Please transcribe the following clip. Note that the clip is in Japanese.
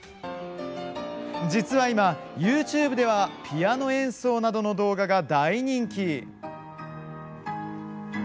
実は今、ＹｏｕＴｕｂｅではピアノ演奏などの動画が大人気。